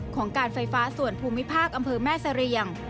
ของการไฟฟ้าส่วนภูมิภาคอำเภอแม่เสรียง